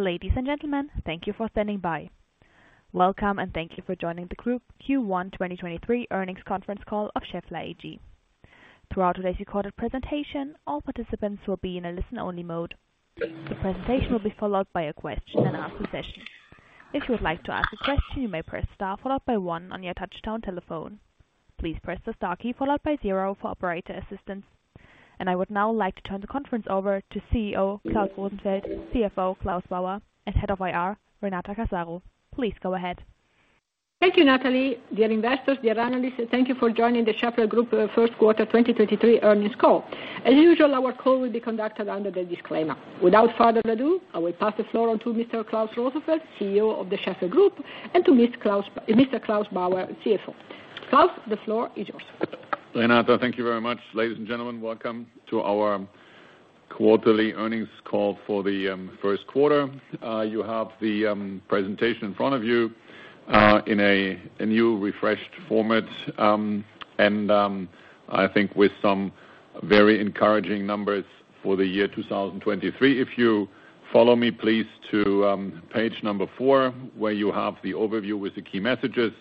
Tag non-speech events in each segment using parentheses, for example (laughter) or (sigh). Ladies and gentlemen, thank you for standing by. Welcome, and thank you for joining the Group First Quarter 2023 Earnings Conference Call of Schaeffler AG. Throughout today's recorded presentation, all participants will be in a listen-only mode. The presentation will be followed by a question and answer session. If you would like to ask a question, you may press star followed by one on your touchtone telephone. Please press the star key followed by zero for operator assistance. I would now like to turn the conference over to CEO Klaus Rosenfeld, CFO Claus Bauer, and Head of IR Renata Casaro. Please go ahead. Thank you, Natalie. Dear investors, dear analysts, thank you for joining the Schaeffler Group first quarter 2023 earnings call. As usual, our call will be conducted under the disclaimer. Without further ado, I will pass the floor on to Mr. Klaus Rosenfeld, CEO of the Schaeffler Group, and to Mr. Claus Bauer, CFO. Klaus, the floor is yours. Renata, thank you very much. Ladies and gentlemen, welcome to our quarterly earnings call for the first quarter. You have the presentation in front of you, in a new refreshed format, and I think with some very encouraging numbers for the year 2023. If you follow me please to page number four, where you have the overview with the key messages.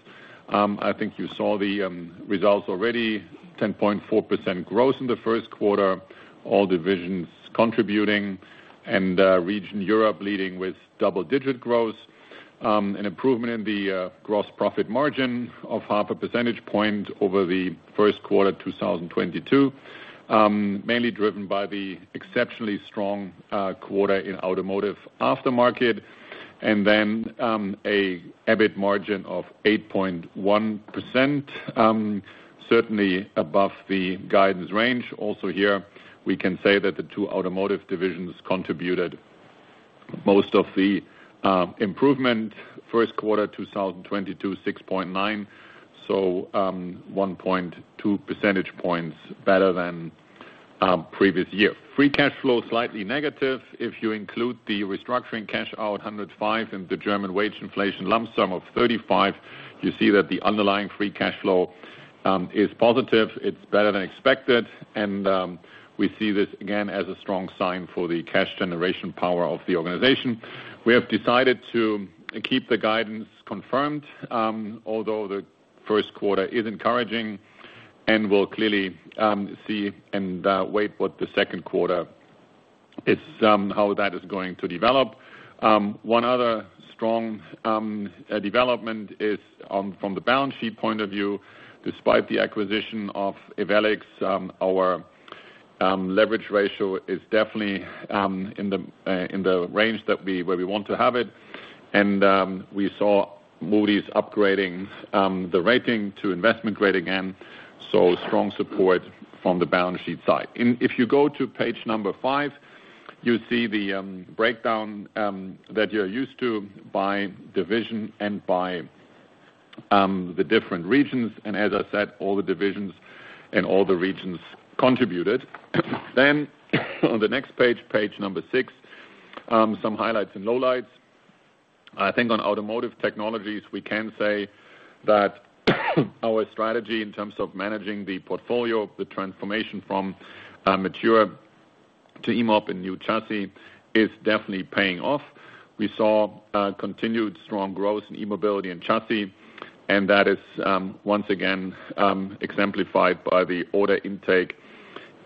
I think you saw the results already, 10.4% growth in the first quarter, all divisions contributing, and region Europe leading with double-digit growth, an improvement in the gross profit margin of half a percentage point over the first quarter 2022. Mainly driven by the exceptionally strong quarter in Automotive Aftermarket. And then, EBIT margin of 8.1%, certainly above the guidance range. Here we can say that the two Automotive divisions contributed most of the improvement first quarter 2022, 6.9%, 1.2 percentage points better than previous year. Free cash flow, slightly negative. If you include the restructuring cash out 105 and the German wage inflation lump sum of 35, you see that the underlying free cash flow is positive. It's better than expected. We see this again as a strong sign for the cash generation power of the organization. We have decided to keep the guidance confirmed, although the first quarter is encouraging. We'll clearly see and wait what the second quarter is, how that is going to develop. One other strong development is from the balance sheet point of view, despite the acquisition of Ewellix, our leverage ratio is definitely in the range that we, where we want to have it. We saw Moody's upgrading the rating to investment grade again, so strong support from the balance sheet side. If you go to page number five, you see the breakdown that you're used to by division and by the different regions. As I said, all the divisions and all the regions contributed. On the next page number six, some highlights and lowlights. I think on Automotive Technologies, we can say that our strategy in terms of managing the portfolio of the transformation from mature to E-Mob and new Chassis is definitely paying off. We saw continued strong growth in E-Mobility and Chassis. That is once again exemplified by the order intake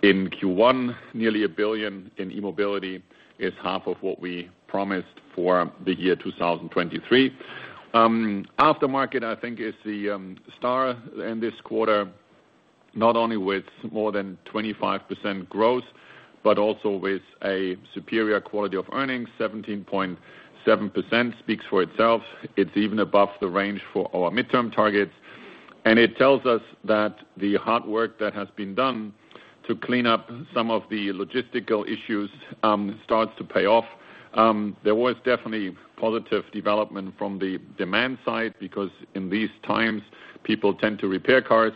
in first quarter. Nearly 1 billion in E-Mobility is half of what we promised for the year 2023. Aftermarket I think is the star in this quarter, not only with more than 25% growth, but also with a superior quality of earnings, 17.7% speaks for itself. It's even above the range for our midterm targets. It tells us that the hard work that has been done to clean up some of the logistical issues starts to pay off. There was definitely positive development from the demand side because in these times, people tend to repair cars.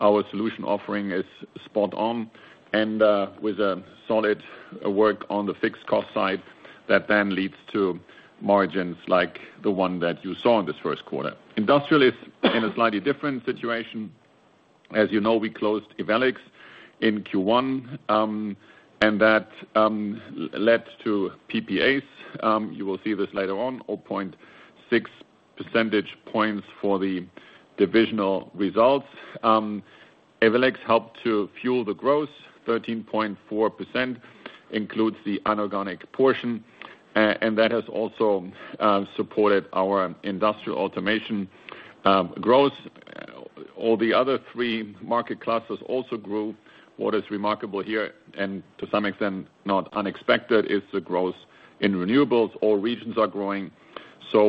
Our solution offering is spot on, with a solid work on the fixed cost side that leads to margins like the one that you saw in this first quarter. Industrial is in a slightly different situation. As you know, we closed Ewellix in first quarter, that led to PPAs. You will see this later on, 0.6 percentage points for the divisional results. Ewellix helped to fuel the growth, 13.4% includes the anorganic portion, and that has also supported our industrial automation growth. All the other three market clusters also grew. What is remarkable here, and to some extent not unexpected, is the growth in renewables. All regions are growing,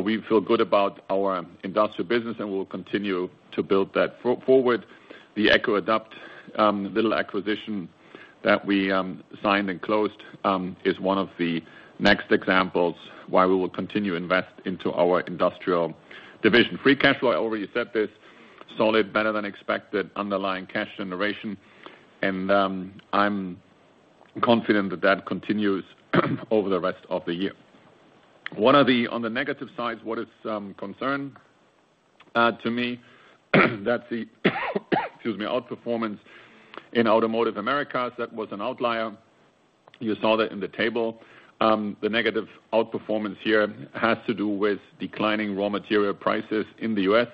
we feel good about our industrial business, we'll continue to build that forward. The ECO-Adapt, little acquisition that we signed and closed, is one of the next examples why we will continue invest into our Industrial division. Free cash flow, I already said this, solid, better than expected underlying cash generation, and I'm confident that that continues over the rest of the year. On the negative sides, what is, to me, that's the excuse me, outperformance in Automotive Americas. That was an outlier. You saw that in the table. The negative outperformance here has to do with declining raw material prices in the US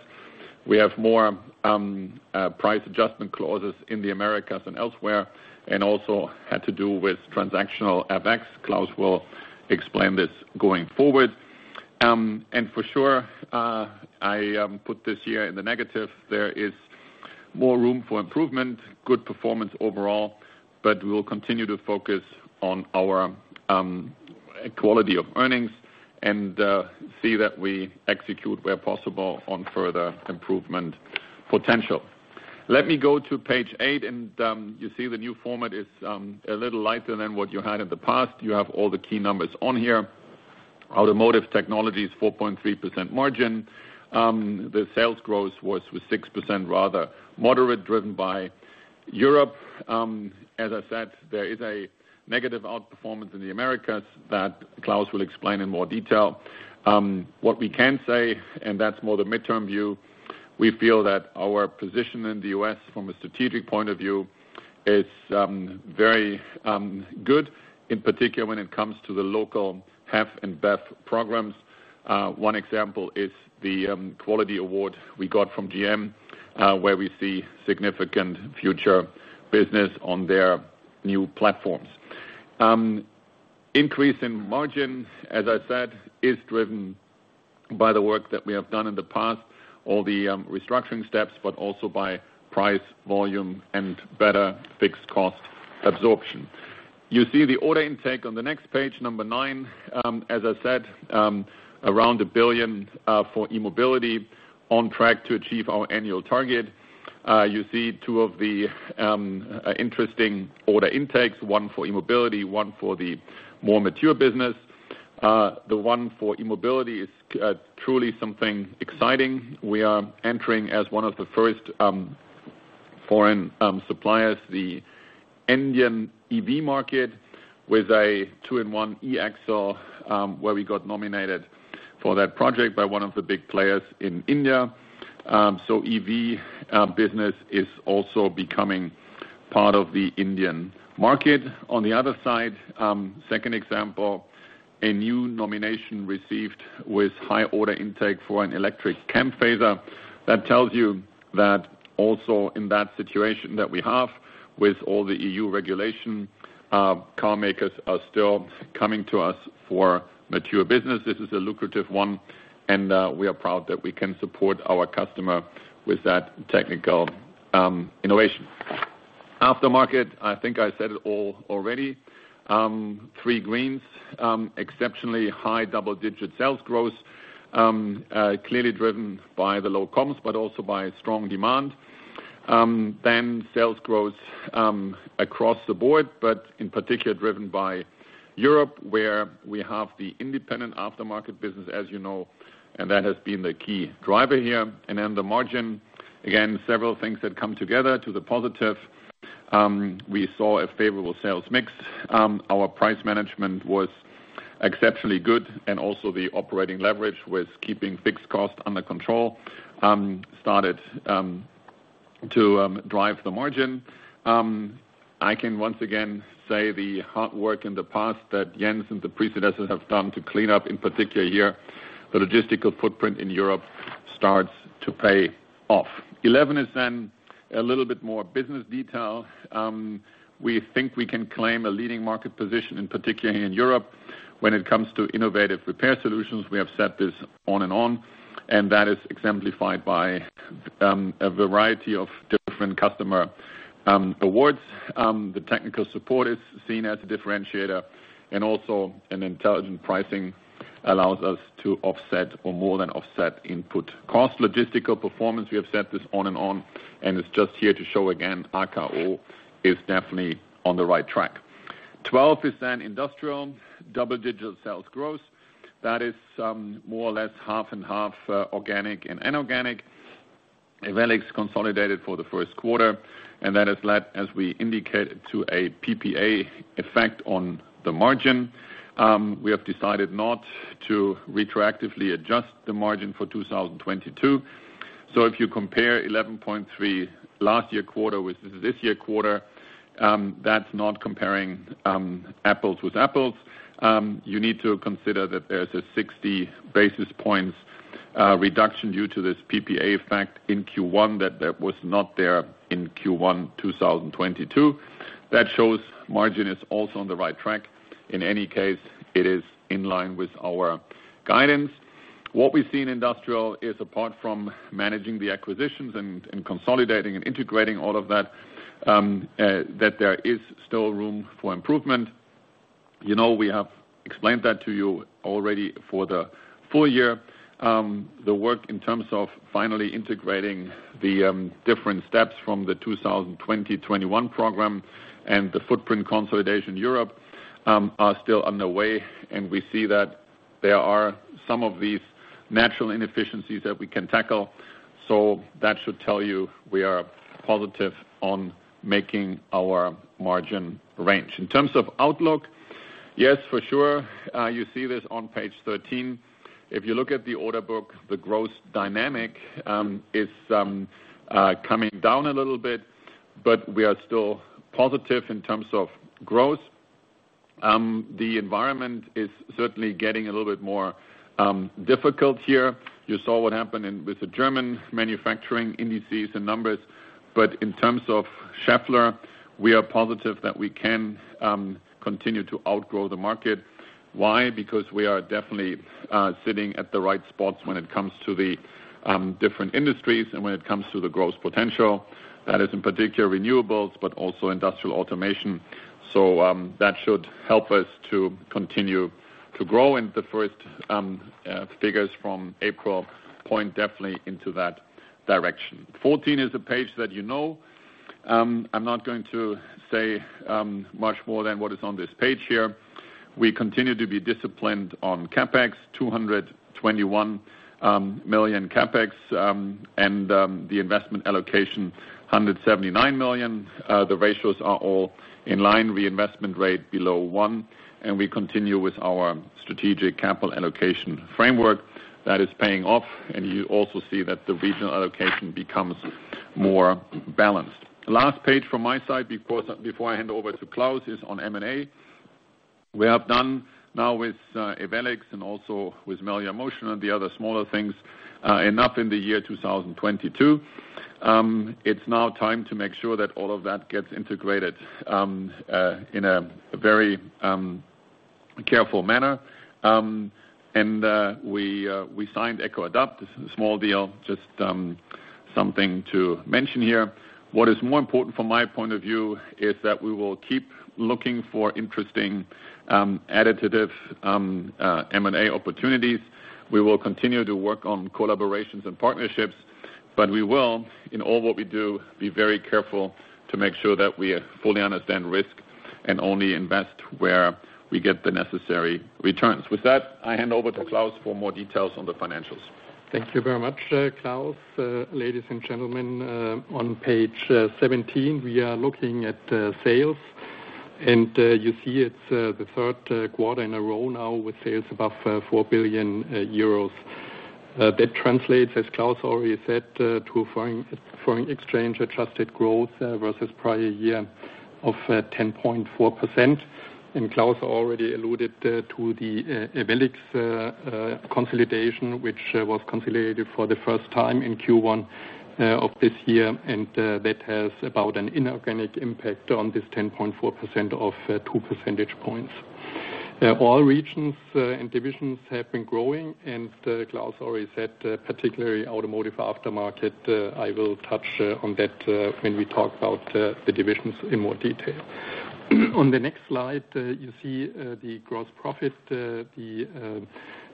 We have more price adjustment clauses in the Americas than elsewhere and also had to do with transactional FX. Klaus will explain this going forward. For sure, I put this year in the negative. There is more room for improvement, good performance overall, but we will continue to focus on our quality of earnings and see that we execute where possible on further improvement potential. Let me go to page eight. You see the new format is a little lighter than what you had in the past. You have all the key numbers on here. Automotive Technologies, 4.3% margin. The sales growth was with 6% rather moderate, driven by Europe. As I said, there is a negative outperformance in the Americas that Klaus will explain in more detail. What we can say, and that's more the midterm view, we feel that our position in the US from a strategic point of view is very good, in particular when it comes to the local HEF and BEF programs. One example is the quality award we got from GM, where we see significant future business on their new platforms. Increase in margins, as I said, is driven by the work that we have done in the past, all the restructuring steps, but also by price, volume, and better fixed cost absorption. You see the order intake on the next page, number nine. As I said, around 1 billion for E-Mobility on track to achieve our annual target. You see two of the interesting order intakes, one for E-Mobility, one for the more mature business. The one for E-Mobility is truly somehing exciting. We are entering as one of the first, foreign, suppliers, the Indian EV market with a two-in-one E-Axle, where we got nominated for that project by one of the big players in India. EV business is also becoming part of the Indian market. On the other side, second example, a new nomination received with high order intake for an electric cam phaser. That tells you that also in that situation that we have with all the EU regulation, car makers are still coming to us for mature business. This is a lucrative one, and we are proud that we can support our customer with that technical innovation. Aftermarket, I think I said it all already. three greens, exceptionally high double-digit sales growth, clearly driven by the low comps, but also by strong demand. Sales growth across the board, but in particular driven by Europe, where we have the Independent Aftermarket business, as you know, and that has been the key driver here. The margin, again, several things that come together to the positive. We saw a favorable sales mix. Our price management was exceptionally good, and also the operating leverage with keeping fixed cost under control started to drive the margin. I can once again say the hard work in the past that Jens and the predecessors have done to clean up, in particular here, the logistical footprint in Europe starts to pay off. Eleven is a little bit more business detail. We think we can claim a leading market position, in particular here in Europe, when it comes to innovative repair solutions. We have said this on and on. That is exemplified by a variety of different customer awards. The technical support is seen as a differentiator. Also an intelligent pricing allows us to offset or more than offset input cost logistical performance. We have said this on and on. It's just here to show again, Akao is definitely on the right track. 12 is then Industrial double-digit sales growth. That is more or less half and half organic and inorganic. Ewellix consolidated for the first quarter. That has led, as we indicated, to a PPA effect on the margin. We have decided not to retroactively adjust the margin for 2022. If you compare 11.3% last year quarter with this year quarter, that's not comparing apples with apples. You need to consider that there's a 60-basis points reduction due to this PPA effect in first quarter that was not there in first quarter 2022. That shows margin is also on the right track. In any case, it is in line with our guidance. What we see in Industrial is apart from managing the acquisitions and consolidating and integrating all of that there is still room for improvement. You know, we have explained that to you already for the full year. The work in terms of finally integrating the different steps from the 2020 to 2021 program and the footprint consolidation Europe are still underway. We see that there are some of these natural inefficiencies that we can tackle. That should tell you we are positive on making our margin range. In terms of outlook. Yes, for sure. You see this on page 13. If you look at the order book, the growth dynamic is coming down a little bit, but we are still positive in terms of growth. The environment is certainly getting a little bit more difficult here. You saw what happened with the German manufacturing indices and numbers. In terms of Schaeffler, we are positive that we can continue to outgrow the market. Why? Because we are definitely sitting at the right spots when it comes to the different industries and when it comes to the growth potential, that is in particular renewables, but also industrial automation. That should help us to continue to grow. The first figures from April point definitely into that direction. 14 is a page that you know. I'm not going to say much more than what is on this page here. We continue to be disciplined on CapEx, 221 million CapEx, and the investment allocation, 179 million. The ratios are all in line, reinvestment rate below one, and we continue with our strategic capital allocation framework that is paying off. You also see that the regional allocation becomes more balanced. The last page from my side before I hand over to Klaus is on M&A. We have done now with Ewellix and also with Melior Motion and the other smaller things, enough in the year 2022. It's now time to make sure that all of that gets integrated in a very careful manner. We signed EcoAdapt. This is a small deal, just something to mention here. What is more important from my point of view is that we will keep looking for interesting additive M&A opportunities. We will continue to work on collaborations and partnerships, but we will, in all what we do, be very careful to make sure that we fully understand risk and only invest where we get the necessary returns. With that, I hand over to Claus for more details on the financials. Thank you very much, Klaus. Ladies and gentlemen, on page 17, we are looking at sales, and you see it's the third quarter in a row now with sales above 4 billion euros. That translates, as Klaus already said, to foreign exchange-adjusted growth versus prior year of 10.4%. Klaus already alluded to the Ewellix consolidation, which was consolidated for the first time in first quarter of this year. That has about an inorganic impact on this 10.4% of two percentage points. All regions and divisions have been growing, Klaus already said, particularly Automotive Aftermarket. I will touch on that when we talk about the divisions in more detail. On the next slide, you see the gross profit, the,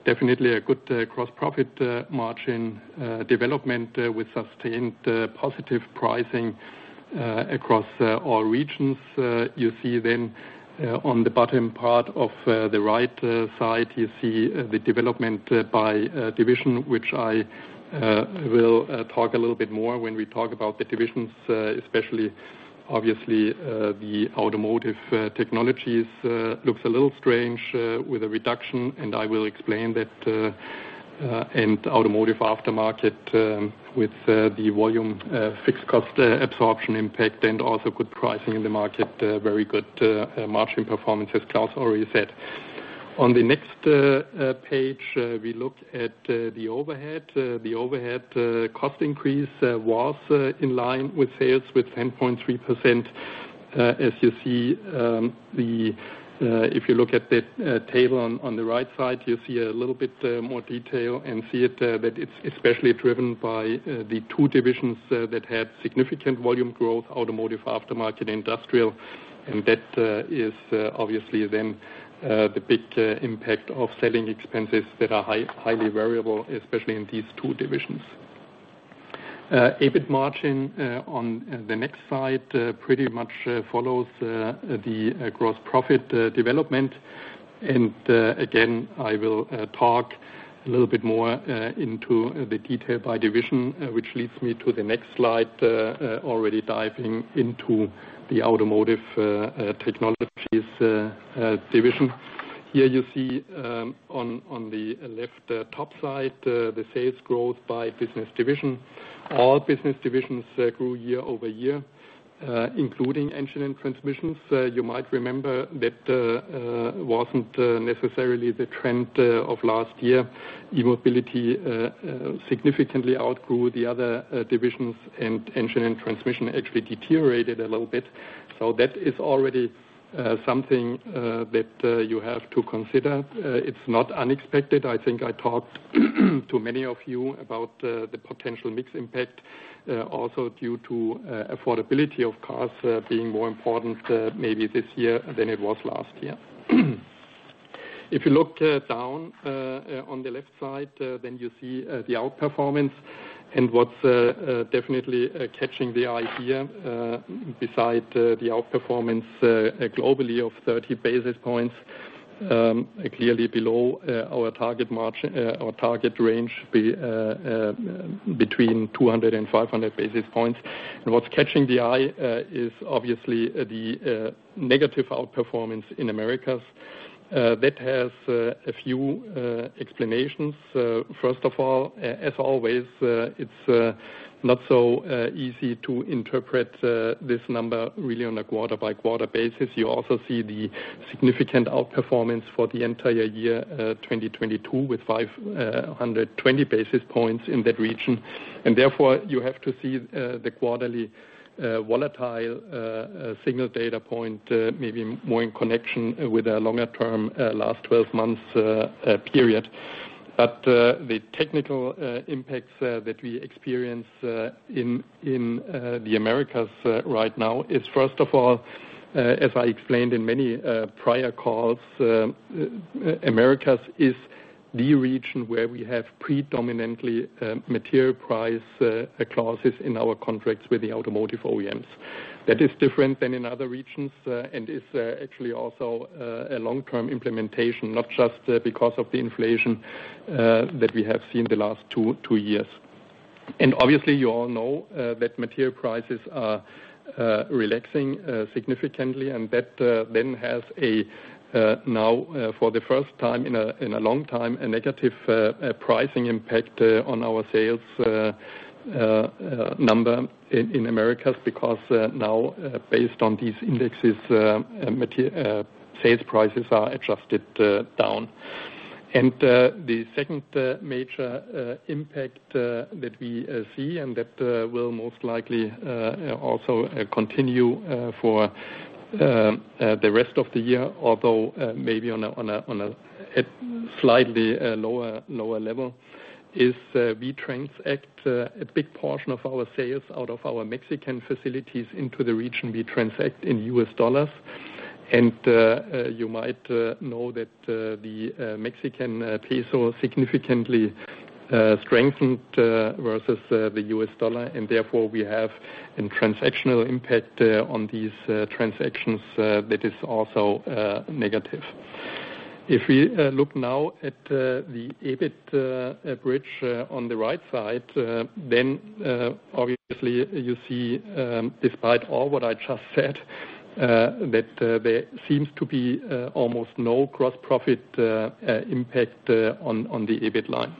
definitely a good gross profit margin development with sustained positive pricing across all regions. You see on the bottom part of the right side, you see the development by division, which I will talk a little bit more when we talk about the divisions, especially obviously, the Automotive Technologies looks a little strange with a reduction, and I will explain that. Automotive Aftermarket with the volume fixed cost absorption impact and also good pricing in the market, very good margin performance, as Klaus already said. On the next page, we look at the overhead. The overhead cost increase was in line with sales with 10.3%. As you see, the if you look at that table on the right side, you see a little bit more detail and see it that it's especially driven by the two divisions that had significant volume growth, Automotive Aftermarket and Industrial. That is obviously then the big impact of selling expenses that are highly variable, especially in these two divisions. EBIT margin on the next slide pretty much follows the gross profit development. Again, I will talk a little bit more into the detail by division, which leads me to the next slide, already diving into the Automotive Technologies division. Here you see, on the left, top slide, the sales growth by business division. All business divisions grew year-over-year, including Engine and Transmissions. You might remember that wasn't necessarily the trend of last year. E-mobility significantly outgrew the other divisions, and Engine and Transmission actually deteriorated a little bit. That is already something that you have to consider. It's not unexpected. I think I talked to many of you about the potential mix impact, also due to affordability of cars, being more important maybe this year than it was last year. If you look down on the left side, then you see the outperformance and what's definitely catching the eye here, beside the outperformance globally of 30 basis points, clearly below our target margin, our target range between 200 and 500 basis points. What's catching the eye is obviously the negative outperformance in Americas. That has a few explanations. First of all, as always, it's not so easy to interpret this number really on a quarter-by-quarter basis. You also see the significant outperformance for the entire year, 2022 with 520 basis points in that region. Therefore, you have to see the quarterly volatile signal data point maybe more in connection with our longer term last 12 months period. The technical impacts that we experience in the Americas right now is, first of all, as I explained in many prior calls, Americas is the region where we have predominantly material price clauses in our contracts with the automotive OEMs. That is different than in other regions, and it's actually also a long-term implementation, not just because of the inflation that we have seen the last two years. Obviously, you all know that material prices are relaxing significantly, and that then has a now for the first time in a long time, a negative pricing impact on our sales number in Americas, because now based on these indexes, sales prices are adjusted down. The second major impact that we see and that will most likely also continue for the rest of the year, although maybe on a slightly lower level, is we transact a big portion of our sales out of our Mexican facilities into the region. We transact in US dollars. You might know that the Mexican peso significantly strengthened versus the US dollar, and therefore, we have a transactional impact on these transactions that is also negative. If we look now at the EBIT bridge on the right side, then obviously you see, despite all what I just said, that there seems to be almost no gross profit impact on the EBIT line.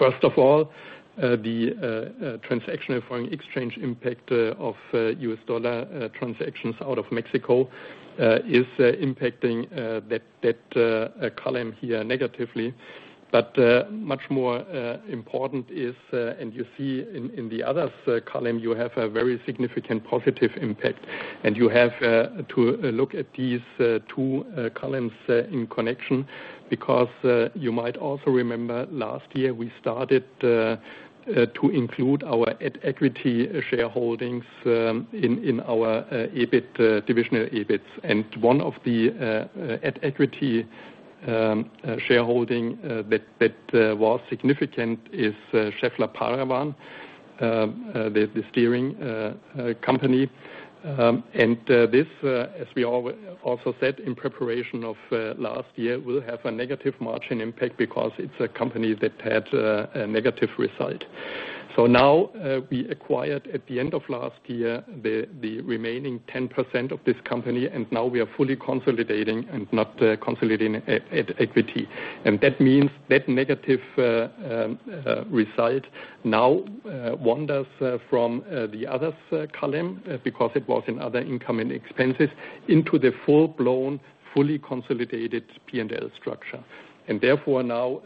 First of all, the transaction foreign exchange impact of US dollar transactions out of Mexico is impacting that column here negatively. Much more important is, and you see in the others column, you have a very significant positive impact, and you have to look at these two columns in connection because you might also remember last year, we started to include our equity shareholdings in our EBIT, divisional EBITs. One of the at equity shareholding that was significant is Schaeffler Paravan, the steering company. This, as we also said in preparation of last year, will have a negative margin impact because it's a company that had a negative result. Now, we acquired at the end of last year the remaining 10% of this company, and now we are fully consolidating and not consolidating at equity. That means that negative result now wanders from the others column, because it was in other income and expenses, into the full-blown, fully consolidated P&L structure. Therefore, now,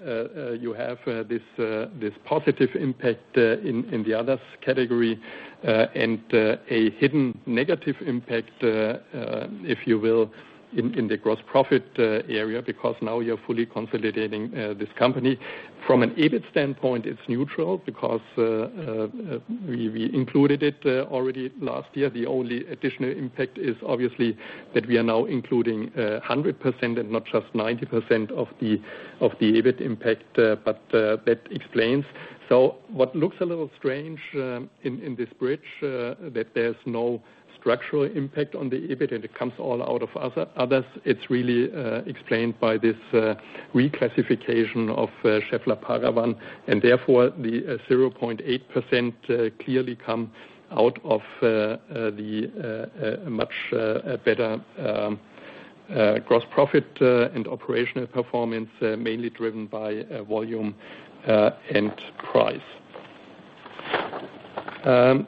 you have this positive impact in the others category, and a hidden negative impact, if you will, in the gross profit area, because now you're fully consolidating this company. From an EBIT standpoint, it's neutral because we included it already last year. The only additional impact is obviously that we are now including 100% and not just 90% of the EBIT impact. That explains. What looks a little strange in this bridge, that there's no structural impact on the EBIT, and it comes all out of others, it's really explained by this reclassification of Schaeffler Paravan, and therefore the 0.8% clearly come out of the much better gross profit and operational performance, mainly driven by volume and price.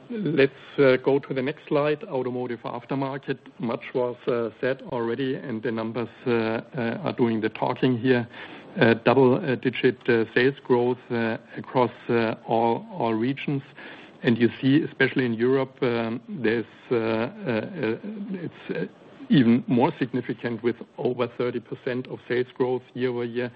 Let's go to the next slide. Automotive Aftermarket. Much was said already, and the numbers are doing the talking here. Double-digit sales growth across all regions. You see, especially in Europe, it's even more significant with over 30% of sales growth year-over-year.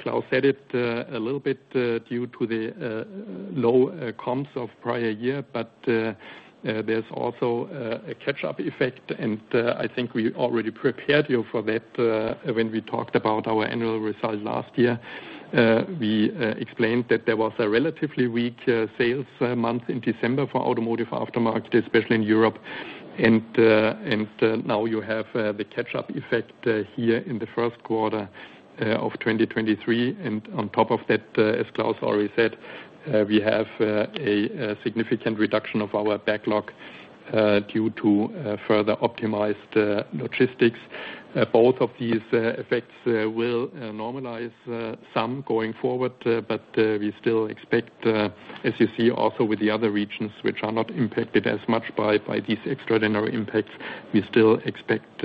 Klaus said it a little bit due to the low comps of prior year, but there's also a catch-up effect, and I think we already prepared you for that when we talked about our annual results last year. We explained that there was a relatively weak sales month in December for Automotive Aftermarket, especially in Europe. Now you have the catch-up effect here in the first quarter of 2023, and on top of that, as Klaus already said, we have a significant reduction of our backlog due to further optimized logistics. Both of these effects will normalize some going forward, we still expect, as you see also with the other regions which are not impacted as much by these extraordinary impacts, we still expect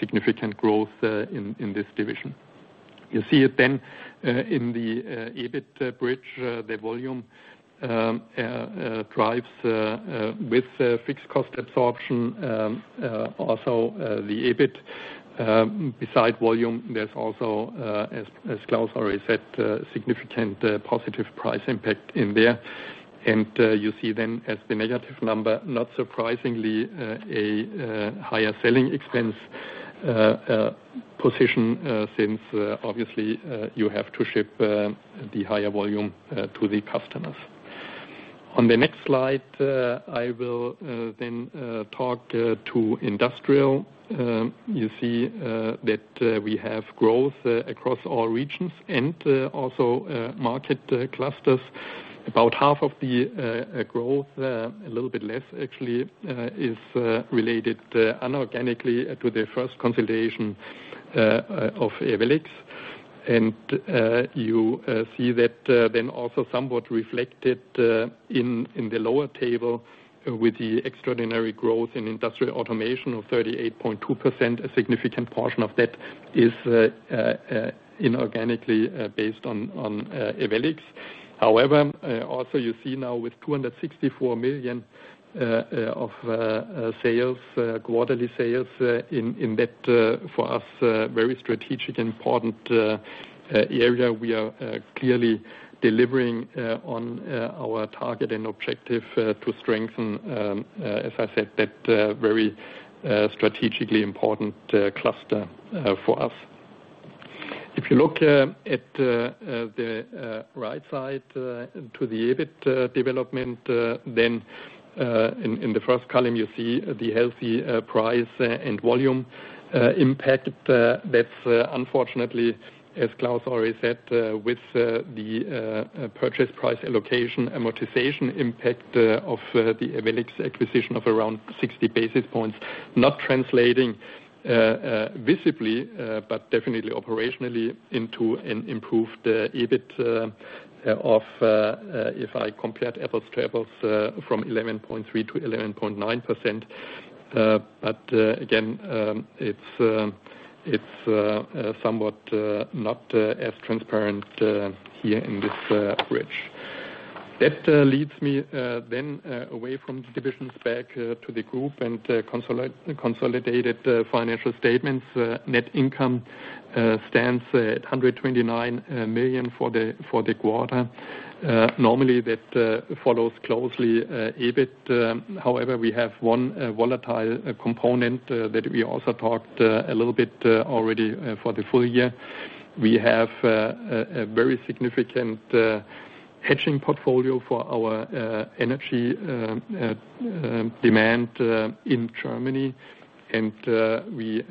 significant growth in this division. You see it in the EBIT bridge, the volume drives with fixed cost absorption also the EBIT. Beside volume, there's also as Klaus already said, a significant positive price impact in there. You see then as the negative number, not surprisingly, a higher selling expense position, since obviously, you have to ship the higher volume to the customers. On the next slide, I will then talk to Industrial. You see that we have growth across all regions and also market clusters. About half of the growth, a little bit less actually, is related inorganically to the first consolidation of Ewellix. You see that then also somewhat reflected in the lower table with the extraordinary growth in industrial automation of 38.2%. A significant portion of that is inorganically based on Ewellix. However, also you see now with 264 million of sales, quarterly sales, in that for us, very strategic and important area, we are clearly delivering on our target and objective to strengthen, as I said, that very strategically important cluster for us. If you look at the right side to the EBIT development, then in the first column, you see the healthy price and volume impact. That's unfortunately, as Klaus already said, with the purchase price allocation amortization impact of the Ewellix acquisition of around 60 basis points, not translating visibly, but definitely operationally into an improved EBIT of, if I compared apples to apples, from 11.3% to 11.9%. Again, it's somewhat not as transparent here in this bridge. That leads me then away from the divisions back to the group and consolidated financial statements. Net income stands at 129 million for the quarter. Normally, that follows closely EBIT. However, we have one volatile component that we also talked a little bit already for the full year. We have a very significant hedging portfolio for our energy demand in Germany. We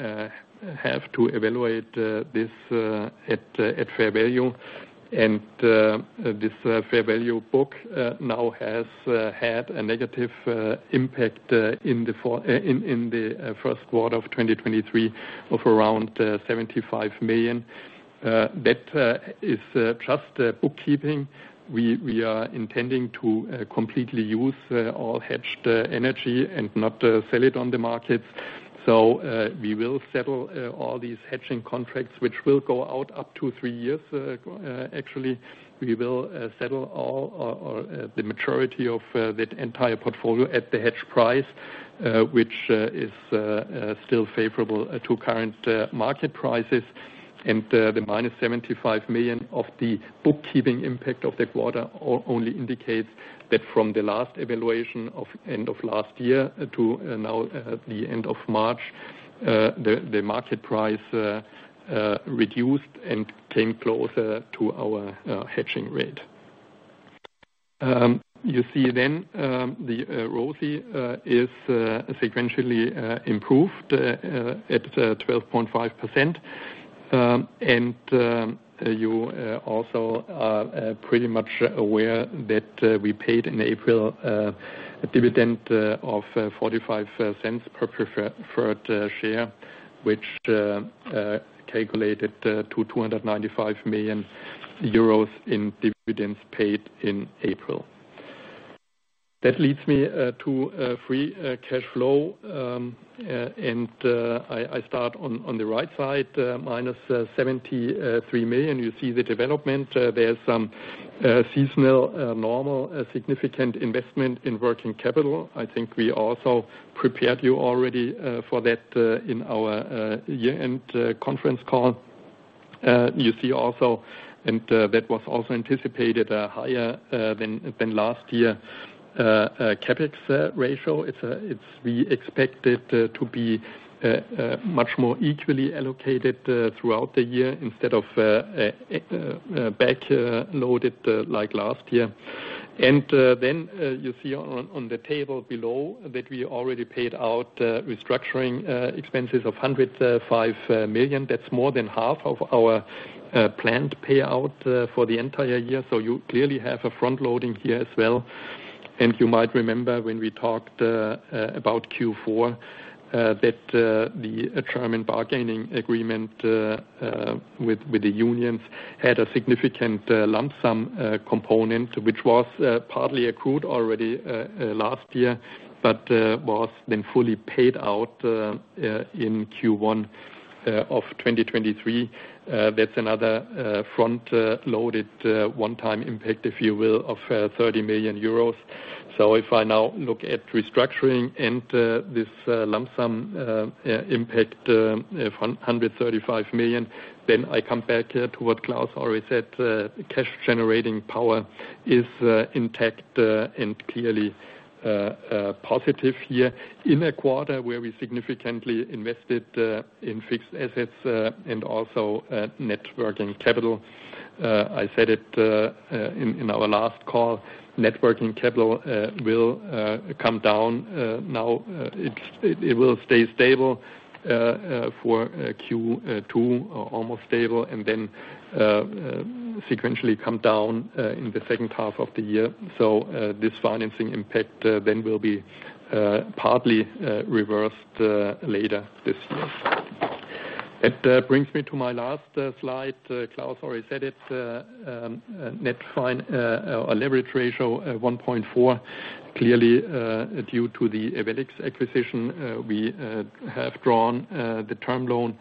have to evaluate this at fair value. This fair value book now has had a negative impact in the first quarter of 2023 of around 75 million. That is just bookkeeping. We are intending to completely use all hedged energy and not sell it on the market. We will settle all these hedging contracts, which will go out up to 3 years, actually. We will settle all or the maturity of that entire portfolio at the hedge price, which is still favorable to current market prices. The minus 75 million of the bookkeeping impact of the quarter only indicates that from the last evaluation of end of last year to now, the end of March, the market price reduced and came closer to our hedging rate. You see, the ROCE is sequentially improved at 12.5%. You also are pretty much aware that we paid in April a dividend of 0.45 per preferred share, which calculated to 295 million euros in dividends paid in April. That leads me to free cash flow. I start on the right side, minus 73 million. You see the development. There's some seasonal, normal, significant investment in working capital. I think we also prepared you already for that in our year-end conference call. You see also, that was also anticipated, higher than last year CapEx ratio. We expect it to be much more equally allocated throughout the year instead of back loaded like last year. Then, you see on the table below that we already paid out restructuring expenses of 105 million. That's more than half of our planned payout for the entire year. You clearly have a front-loading here as well. You might remember when we talked about fourth quarter that the German bargaining agreement with the unions had a significant lump sum component, which was partly accrued already last year, but was then fully paid out in first quarter of 2023. That's another front-loaded one-time impact, if you will, of 30 million euros. If I now look at restructuring and this lump sum impact of 135 million, then I come back to what Klaus already said. Cash generating power is intact and clearly positive here. In a quarter where we significantly invested in fixed assets and also net working capital, I said it in our last call, net working capital will come down now. It will stay stable for second quarter, almost stable, and then sequentially come down in the second half of the year. This financing impact then will be partly reversed later this year. That brings me to my last slide. Klaus already said it, net leverage ratio 1.4, clearly due to the Ewellix acquisition, we have drawn the term loan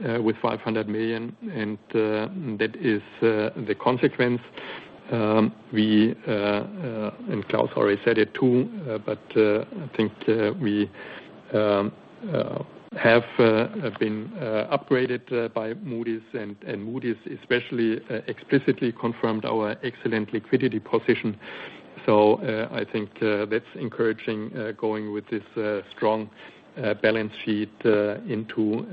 with 500 million, and that is the consequence. We, and Klaus already said it too, but I think we have been upgraded by Moody's, and Moody's especially explicitly confirmed our excellent liquidity position. I think that's encouraging, going with this strong balance sheet into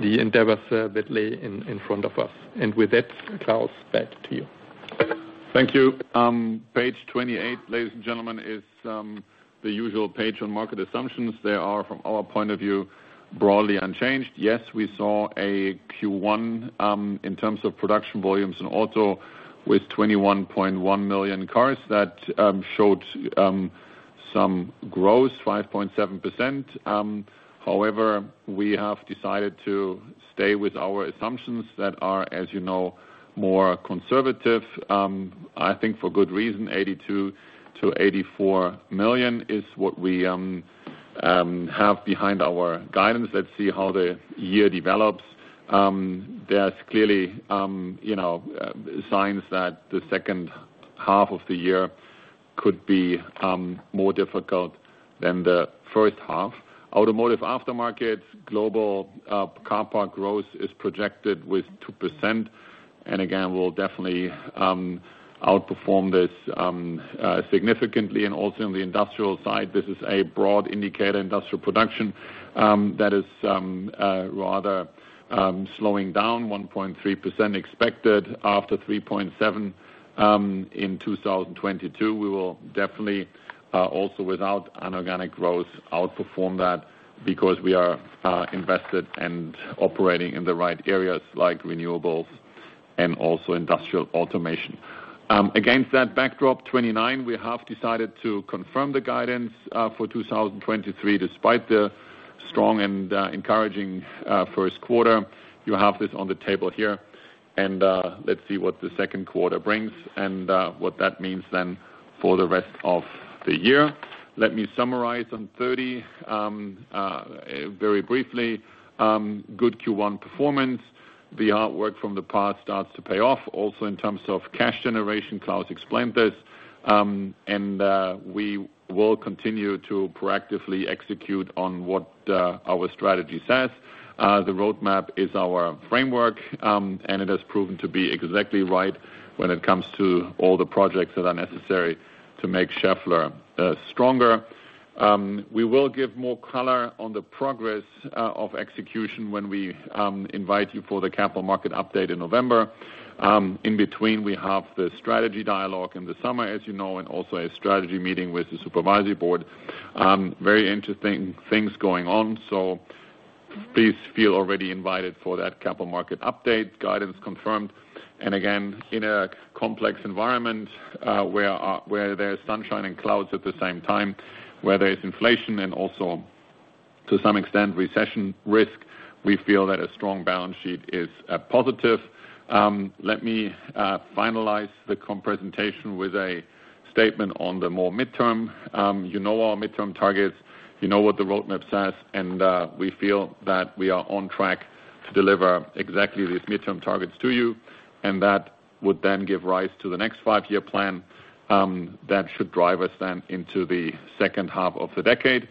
the endeavors that lay in front of us. With that, Klaus, back to you. Thank you. page 28, ladies and gentlemen, is the usual page on market assumptions. They are, from our point of view, broadly unchanged. We saw a first quarter in terms of production volumes in auto with 21.1 million cars that showed some growth, 5.7%. We have decided to stay with our assumptions that are, as you know, more conservative. I think for good reason, 82 to 84 million is what we have behind our guidance. Let's see how the year develops. There's clearly, you know, signs that the second half of the year could be more difficult than the first half. Automotive Aftermarket, global, car part growth is projected with 2%. Again, we'll definitely outperform this significantly. Also in the industrial side, this is a broad indicator, industrial production, that is, rather, slowing down, 1.3% expected after 3.7%, in 2022. We will definitely, also without an organic growth, outperform that because we are invested and operating in the right areas like renewables and also industrial automation. Against that backdrop, 29%, we have decided to confirm the guidance, for 2023, despite the strong and encouraging, first quarter. You have this on the table here, and let's see what the second quarter brings and, what that means then for the rest of the year. Let me summarize on 30%, very briefly. Good first quarter performance. The hard work from the past starts to pay off, also in terms of cash generation. Claus explained this. We will continue to proactively execute on what our strategy says. The Roadmap 2025 is our framework and it has proven to be exactly right when it comes to all the projects that are necessary to make Schaeffler stronger. We will give more color on the progress of execution when we invite you for the capital market update in November. In between, we have the strategy dialogue in the summer, as you know, and also a strategy meeting with the supervisory board. Very interesting things going on, so please feel already invited for that capital market update. Guidance confirmed. Again, in a complex environment where there's sunshine and clouds at the same time, where there's inflation and also to some extent recession risk, we feel that a strong balance sheet is a positive. Let me finalize the presentation with a statement on the more midterm. You know our midterm targets. You know what the roadmap says, we feel that we are on track to deliver exactly these midterm targets to you, and that would then give rise to the next five-year plan that should drive us then into the second half of the decade.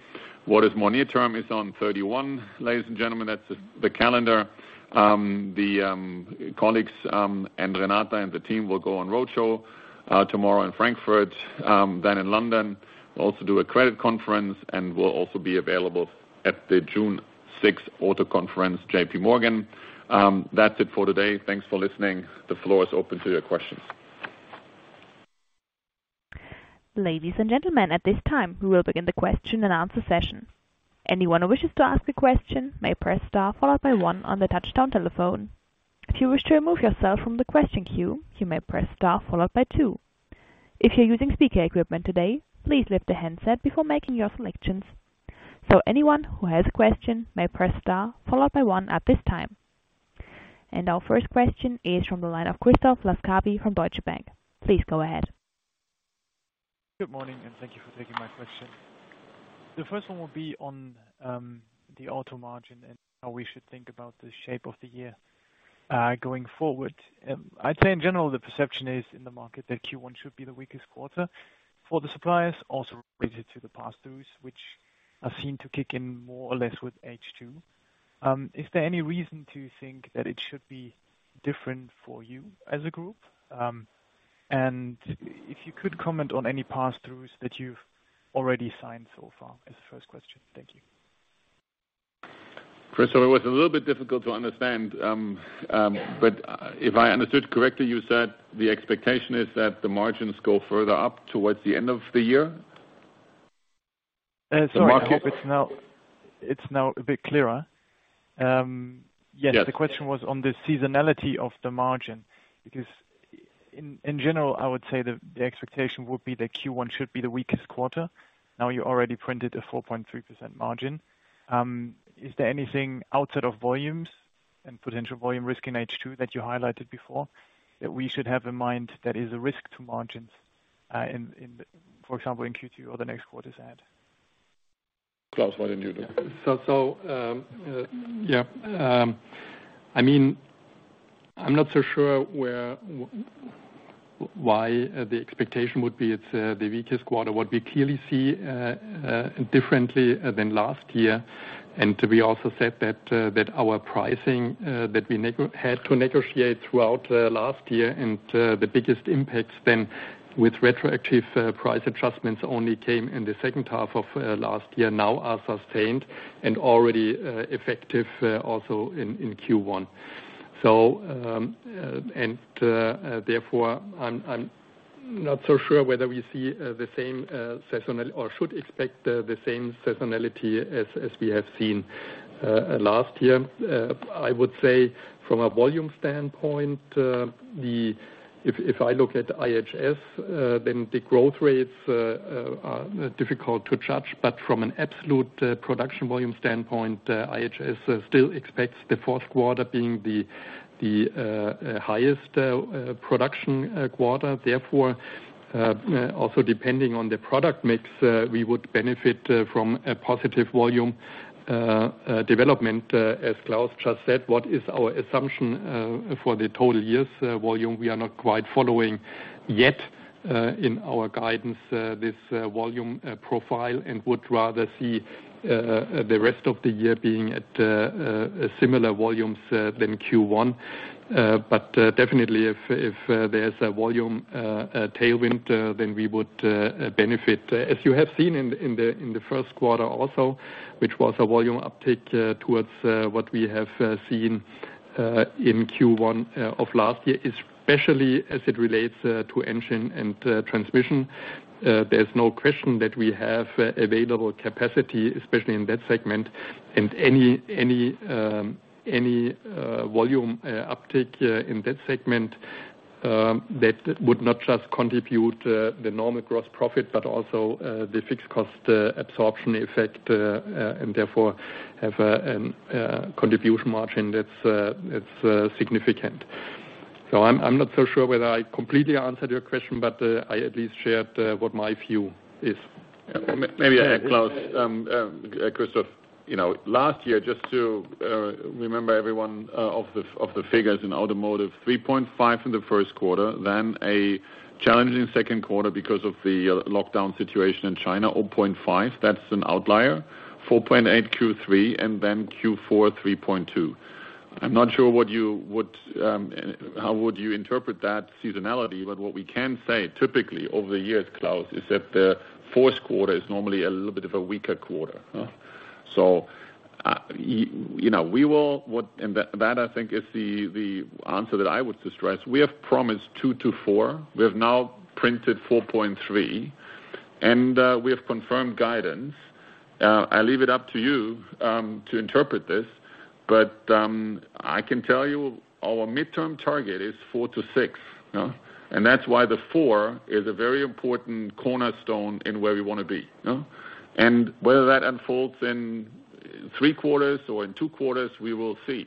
What is more near term is on 31, ladies and gentlemen. That's the calendar. The colleagues, Renata and the team will go on roadshow tomorrow in Frankfurt, then in London. We'll also do a credit conference, we'll also be available at the June eventSix auto conference, JPMorgan. That's it for today. Thanks for listening. The floor is open to your questions. Ladies and gentlemen, at this time, we will begin the question-and-answer session. Anyone who wishes to ask a question may press star followed by one on their touch-tone telephone. If you wish to remove yourself from the question queue, you may press star followed by two. If you're using speaker equipment today, please lift the handset before making your selections. Anyone who has a question may press star followed by one at this time. Our first question is from the line of Christoph Laskawi from Deutsche Bank. Please go ahead. Good morning and thank you for taking my question. The first one will be on the auto margin and how we should think about the shape of the year going forward. I'd say in general, the perception is in the market that first quarter should be the weakest quarter for the suppliers also related to the pass-throughs, which are seen to kick in more or less with second half. Is there any reason to think that it should be different for you as a group? If you could comment on any pass-throughs that you've already signed so far is the first question. Thank you. Christoph, it was a little bit difficult to understand, but if I understood correctly, you said the expectation is that the margins go further up towards the end of the year? Sorry. I hope it's now a bit clearer. Yes, the question was on the seasonality of the margin, because in general, I would say the expectation would be that first quarter should be the weakest quarter. You already printed a 4.3% margin. Is there anything outside of volumes and potential volume risk in second half that you highlighted before that we should have in mind that is a risk to margins, for example, in second quarter or the next quarters ahead? Claus, why don't you do it? I mean, I'm not so sure where why the expectation would be it's the weakest quarter. What we clearly see differently than last year, and to be also said that our pricing that we had to negotiate throughout last year and the biggest impacts then with retroactive price adjustments only came in the second half of last year, now are sustained and already effective also in first quarter. Therefore, I'm not so sure whether we see the same seasonal or should expect the same seasonality as we have seen last year. I would say from a volume standpoint, if I look at IHS, then the growth rates are difficult to judge. From an absolute production volume standpoint, IHS still expects the fourth quarter being the highest production quarter. Also depending on the product mix, we would benefit from a positive volume development as Klaus just said. What is our assumption for the total year's volume? We are not quite following yet in our guidance this volume profile and would rather see the rest of the year being at similar volumes than first quarter. Definitely if there's a volume tailwind, then we would benefit. As you have seen in the first quarter also, which was a volume uptick towards what we have seen in first quarter of last year, especially as it relates to Engine and Transmission. There's no question that we have available capacity, especially in that segment, and any volume uptick in that segment that would not just contribute the normal gross profit, but also the fixed cost absorption effect, and therefore have a contribution margin that's significant. I'm not so sure whether I completely answered your question, but I at least shared what my view is. Maybe I add, Claus, Christoph Laskawi, you know, last year, just to remember every one of the figures in automotive, 3.5% in the first quarter, then a challenging second quarter because of the lockdown situation in China, 0.5%, that's an outlier. 4.8% third quarter, fourth quarter, 3.2%. I'm not sure what you would, how would you interpret that seasonality? What we can say typically over the years, Claus, is that the fourth quarter is normally a little bit of a weaker quarter. You know, and that, I think, is the answer that I would stress. We have promised 2% to 4%. We have now printed 4.3%. We have confirmed guidance. I leave it up to you to interpret this, but I can tell you our midterm target is 4% to 6%. That's why the 4% is a very important cornerstone in where we wanna be. Whether that unfolds in three quarters or in two quarters, we will see.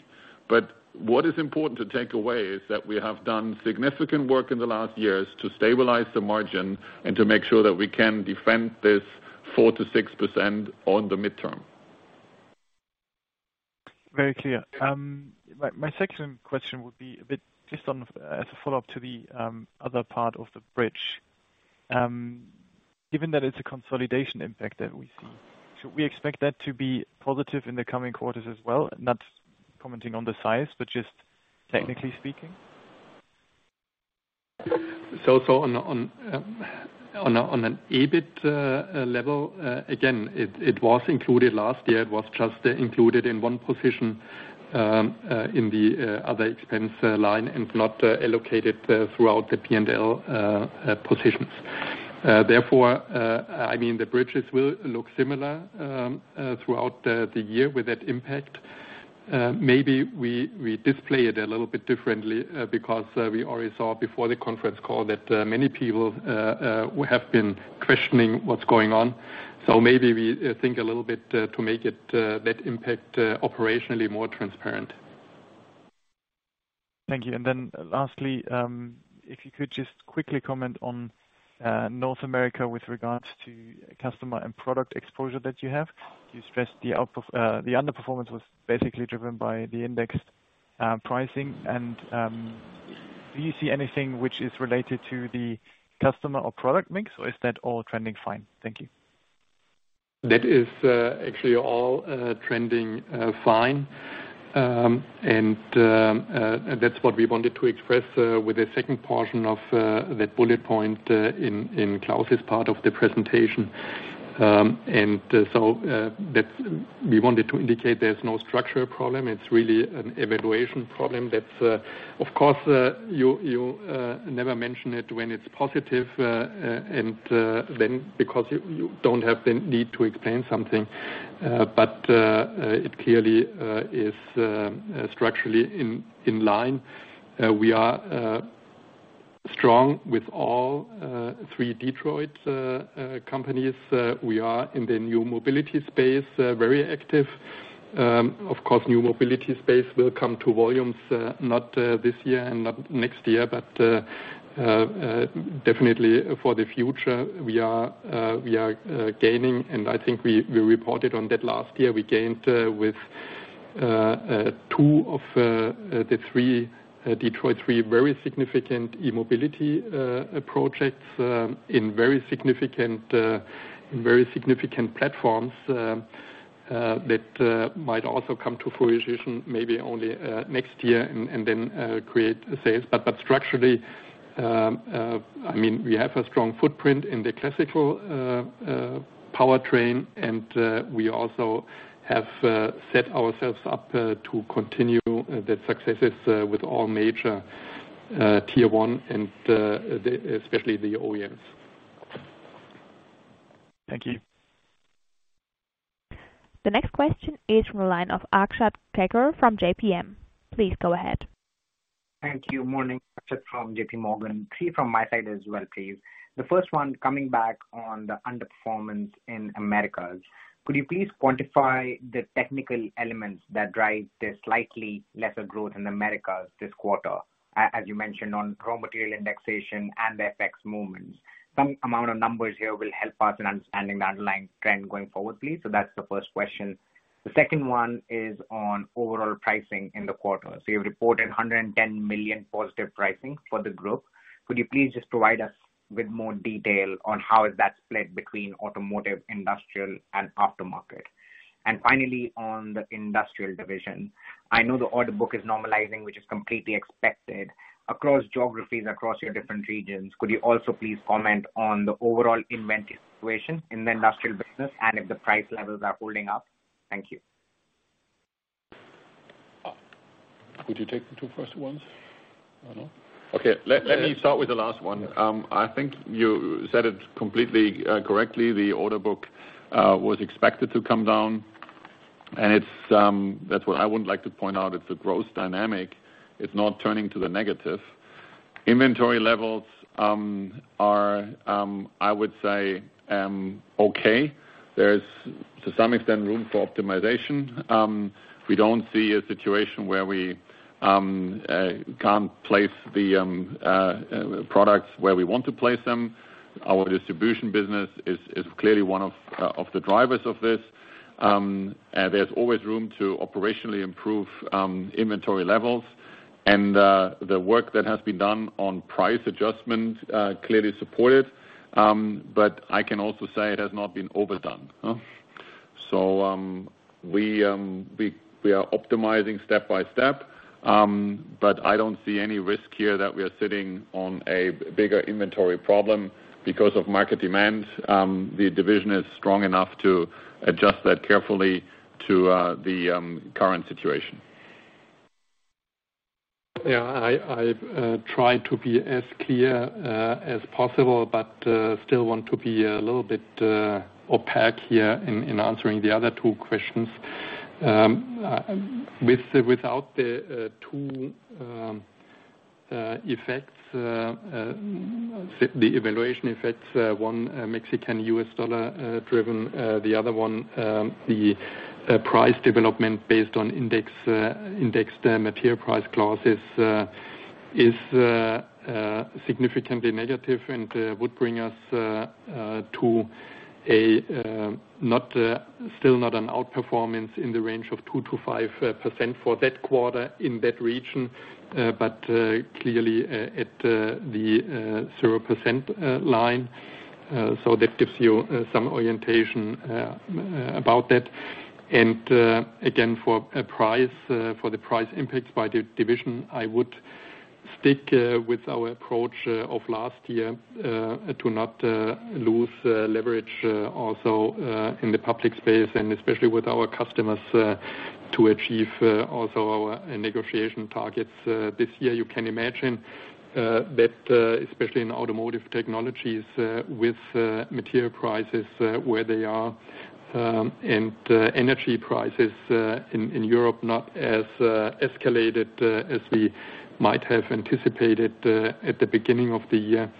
What is important to take away is that we have done significant work in the last years to stabilize the margin and to make sure that we can defend this 4% to 6% on the midterm. Very clear. My second question would be a bit just on as a follow-up to the other part of the bridge. Given that it's a consolidation impact that we see, should we expect that to be positive in the coming quarters as well? Not commenting on the size, but just technically speaking. On an EBIT level, again, it was included last year. It was just included in one position in the other expense line and not allocated throughout the P&L positions. Therefore, I mean, the bridges will look similar throughout the year with that impact. Maybe we display it a little bit differently because we already saw before the conference call that many people have been questioning what's going on. Maybe we think a little bit to make it that impact operationally more transparent. Thank you. Then lastly, if you could just quickly comment on North America with regards to customer and product exposure that you have. You stressed the underperformance was basically driven by the indexed pricing. Do you see anything which is related to the customer or product mix, or is that all trending fine? Thank you. That is actually all trending fine. That's what we wanted to express with the second portion of that bullet point in Klaus' part of the presentation. We wanted to indicate there's no structural problem. It's really an evaluation problem that, of course, you never mention it when it's positive, and then because you don't have the need to explain something. It clearly is structurally in line. We are strong with all three Detroit companies. We are in the new mobility space, very active. Of course, new mobility space will come to volumes, not this year and not next year, but definitely for the future, we are gaining. I think we reported on that last year. We gained with two of the three Detroit Three very significant E-Mobility projects, in very significant, very significant platforms, that might also come to fruition maybe only next year and then create sales. Structurally, I mean, we have a strong footprint in the classical powertrain, and we also have set ourselves up to continue the successes with all major tier one and the especially the OEMs. Thank you. The next question is from the line of Akshat Kacker from JPM. Please go ahead. Thank you. Morning. Akshat Kacker from JPMorgan. Three from my side as well, please. The first one coming back on the underperformance in Americas. Could you please quantify the technical elements that drive the slightly lesser growth in Americas this quarter? As you mentioned on raw material indexation and the FX movements. Some amount of numbers here will help us in understanding the underlying trend going forward, please. That's the first question. The second one is on overall pricing in the quarter. You've reported 110 million positive pricing for the group. Could you please just provide us with more detail on how that's split between automotive, industrial, and aftermarket? Finally, on the industrial division, I know the order book is normalizing, which is completely expected across geographies, across your different regions. Could you also please comment on the overall inventory situation in the Industrial business, and if the price levels are holding up? Thank you. Would you take the two first ones... (inaudible) Okay. Let me start with the last one. I think you said it completely correctly. The order book was expected to come down; it's that's what I would like to point out. It's a growth dynamic. It's not turning to the negative. Inventory levels are I would say okay. There's to some extent room for optimization. We don't see a situation where we can't place the products where we want to place them. Our distribution business is clearly one of the drivers of this. There's always room to operationally improve inventory levels. The work that has been done on price adjustment clearly support it. I can also say it has not been overdone. We are optimizing step by step. I don't see any risk here that we are sitting on a bigger inventory problem because of market demand. The division is strong enough to adjust that carefully to, the current situation. I try to be as clear as possible but still want to be a little bit opaque here in answering the other two questions. With-without the two effects, the evaluation effects, one Mexican US dollar driven, the other one the price development based on index indexed material price clauses, is significantly negative and would bring us to a not still not an outperformance in the range of 2% to 5% for that quarter in that region, but clearly at the 0% line. That gives you some orientation about that. Again, for a price, for the price impact by division, I would stick with our approach of last year to not lose leverage also in the public space, and especially with our customers, to achieve also our negotiation targets. This year, you can imagine that especially in Automotive Technologies, with material prices where they are, and energy prices in Europe, not as escalated as we might have anticipated at the beginning of the year,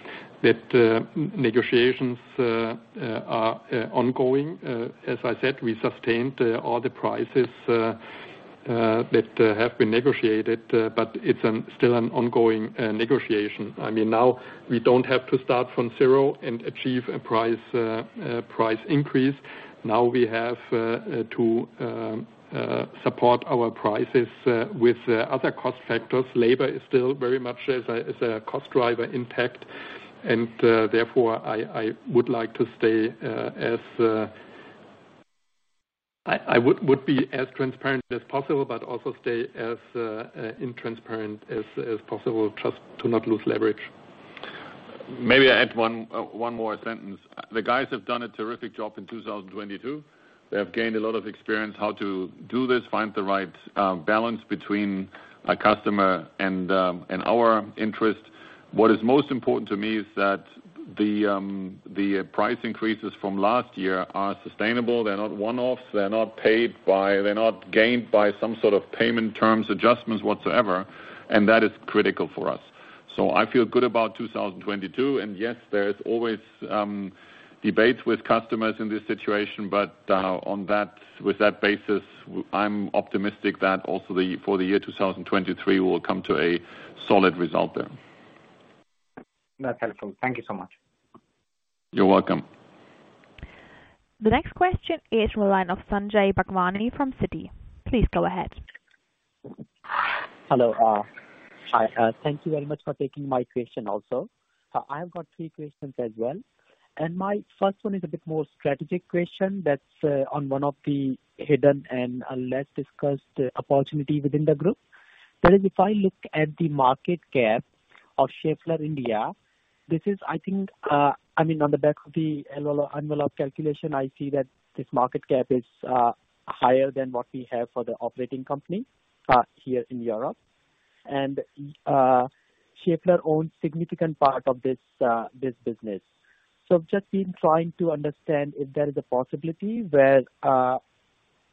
that negotiations are ongoing. As I said, we sustained all the prices that have been negotiated, but it's still an ongoing negotiation. I mean, now we don't have to start from zero and achieve a price increase. Now we have to support our prices with other cost factors. Labor is still very much as a cost driver intact. I would be as transparent as possible but also stay as in transparent as possible just to not lose leverage. Maybe I add one more sentence. The guys have done a terrific job in 2022. They have gained a lot of experience how to do this, find the right balance between a customer and our interest. What is most important to me is that the price increases from last year are sustainable. They're not one-offs. They're not gained by some sort of payment terms, adjustments whatsoever, and that is critical for us. I feel good about 2022. Yes, there is always debates with customers in this situation, but on that, with that basis, I'm optimistic that also for the year 2023, we will come to a solid result there. That's helpful. Thank you so much. You're welcome. The next question is from the line of Sanjay Bhagwani from Citi. Please go ahead. Hello. Thank you very much for taking my question also. I have got three questions as well, and my first one is a bit more strategic question. That's on one of the hidden and less discussed opportunity within the group. If I look at the market cap of Schaeffler India, this is I think, I mean, on the back of the envelope calculation, I see that this market cap is higher than what we have for the operating company here in Europe. Schaeffler owns significant part of this business. I've just been trying to understand if there is a possibility where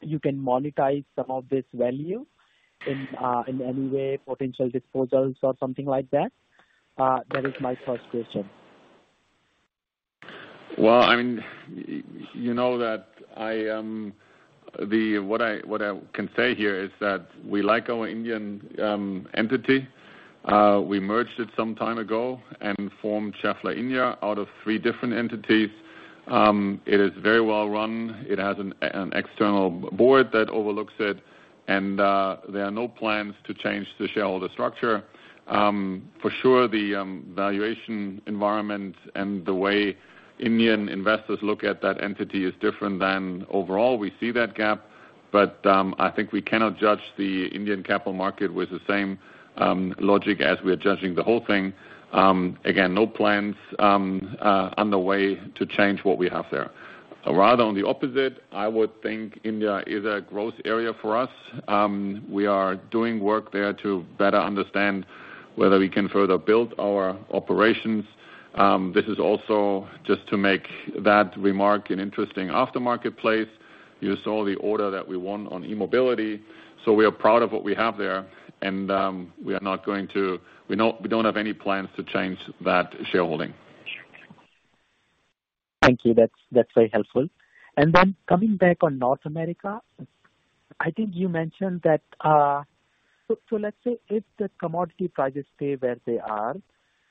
you can monetize some of this value in any way, potential disposals or something like that. That is my first question. Well, I mean, you know that What I can say here is that we like our Indian entity. We merged it some time ago and formed Schaeffler India out of three different entities. It is very well-run. It has an external board that overlooks it, and there are no plans to change the shareholder structure. For sure, the valuation environment and the way Indian investors look at that entity is different than overall. We see that gap, but I think we cannot judge the Indian capital market with the same logic as we are judging the whole thing. Again, no plans on the way to change what we have there. Rather on the opposite, I would think India is a growth area for us. We are doing work there to better understand whether we can further build our operations. This is also just to make that remark an interesting aftermarket place. You saw the order that we won on E-Mobility. We are proud of what we have there. We don't have any plans to change that shareholding. Thank you. That's very helpful. Coming back on North America, I think you mentioned that. Let's say if the commodity prices stay where they are,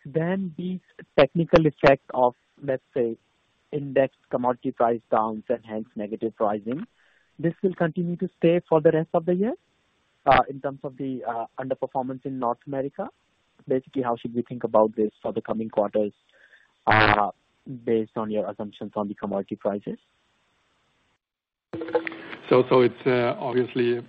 then the technical effect of, let's say, index commodity price downs and hence negative pricing, this will continue to stay for the rest of the year in terms of the underperformance in North America. Basically, how should we think about this for the coming quarters based on your assumptions on the commodity prices? It's obviously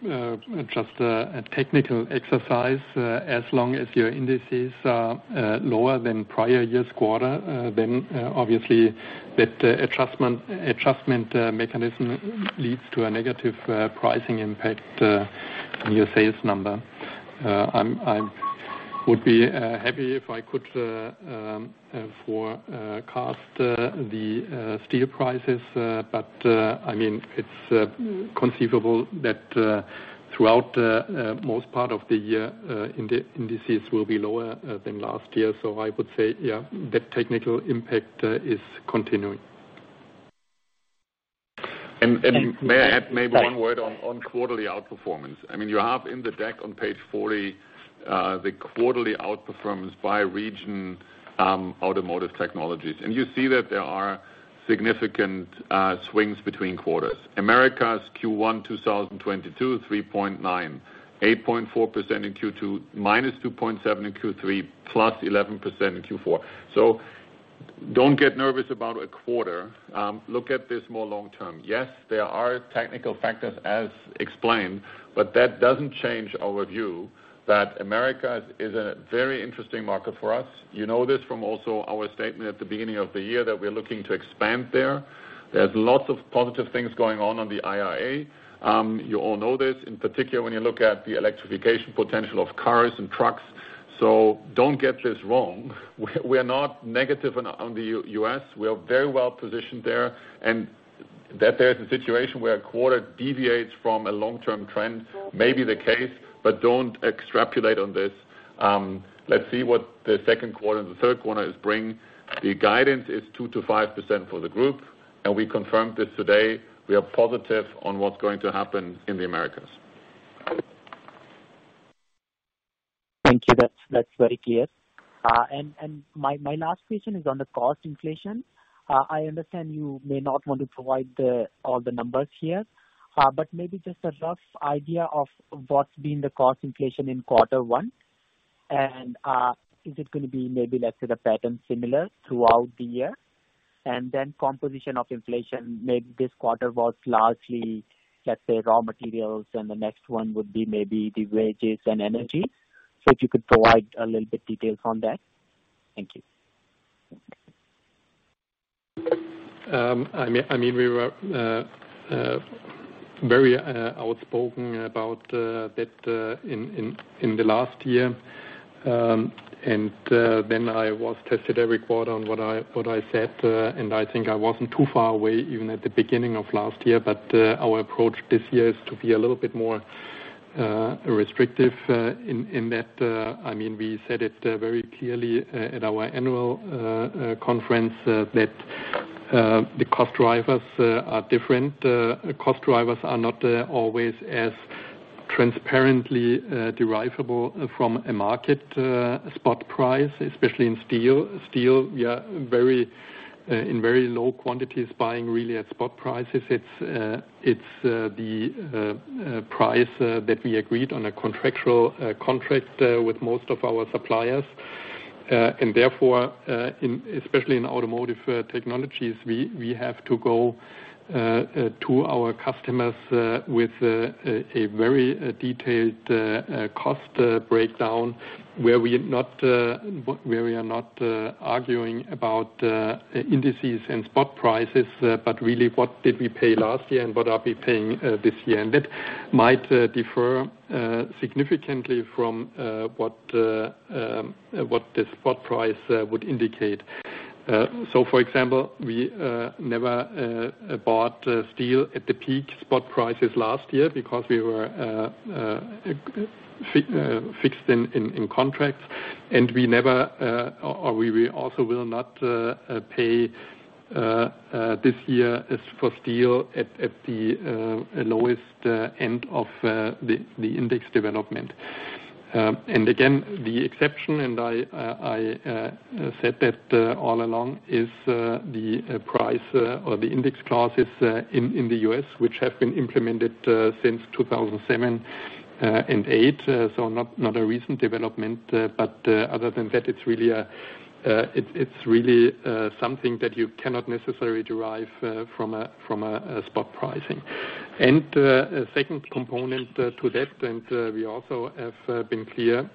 just a technical exercise. As long as your indices are lower than prior year's quarter, then obviously that adjustment mechanism leads to a negative pricing impact on your sales number. I would be happy if I could forecast the steel prices. I mean, it's conceivable that throughout most part of the year, indices will be lower than last year. I would say, yeah, that technical impact is continuing. May I add maybe one word on quarterly outperformance? I mean, you have in the deck on page 40, the quarterly outperformance by region, Automotive Technologies. You see that there are significant swings between quarters. Americas first quarter 2022, 3.9%. 8.4% in second quarter, -2.7% in third quarter, +11% in fourth quarter. Don't get nervous about a quarter. Look at this more long term. Yes, there are technical factors as explained, but that doesn't change our view that America is a very interesting market for us. You know this from also our statement at the beginning of the year that we're looking to expand there. There's lots of positive things going on the IRA. You all know this, in particular when you look at the electrification potential of cars and trucks. Don't get this wrong. We're not negative on the US. We are very well-positioned there. That there is a situation where a quarter deviates from a long-term trend may be the case. Don't extrapolate on this. Let's see what the second quarter and the third quarter is bring. The guidance is 2% to 5% for the group. We confirmed this today. We are positive on what's going to happen in the Americas. Thank you. That's very clear. My last question is on the cost inflation. I understand you may not want to provide all the numbers here, but maybe just a rough idea of what's been the cost inflation in first quarter, and is it gonna be maybe, let's say, the pattern similar throughout the year? Composition of inflation, maybe this quarter was largely, let's say, raw materials, and the next one would be maybe the wages and energy. If you could provide a little bit details on that. Thank you. (inaudible) outspoken about that in the last year. Then I was tested every quarter on what I said, and I think I wasn't too far away even at the beginning of last year. But our approach this year is to be a little bit more restrictive in that. I mean, we said it very clearly at our annual conference that the cost drivers are different. Cost drivers are not always as transparently derivable from a market spot price, especially in steel. Steel, we are very in very low quantities buying really at spot prices It's the price that we agreed on a contractual contract with most of our suppliers. Therefore, in, especially in Automotive Technologies, we have to go to our customers with a very detailed cost breakdown where we are not arguing about indices and spot prices, but really what did we pay last year and what are we paying this year. That might differ significantly from what the spot price would indicate. For example, we never bought steel at the peak spot prices last year because we were fixed in contracts, and we never, or we also will not pay this year, as for steel, at the lowest end of the index development. Again, the exception, and I said that all along, is the price or the index clauses in the US which have been implemented since 2007 and 2008. Not a recent development. Other than that, it's really something that you cannot necessarily derive from a spot pricing. A second component to that, we also have been clear,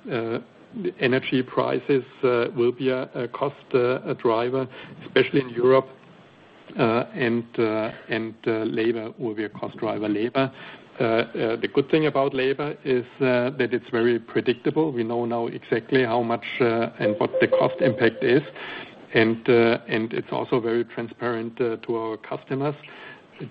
energy prices will be a cost driver, especially in Europe, and labor will be a cost driver. Labor. The good thing about labor is that it's very predictable. We know now exactly how much and what the cost impact is, and it's also very transparent to our customers.